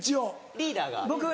リーダーが。